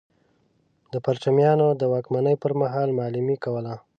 د پرچمیانو د واکمنۍ پر مهال معلمي کوله.